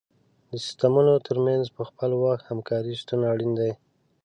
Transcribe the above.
د سیستمونو تر منځ په خپل وخت همکاري شتون اړین دی.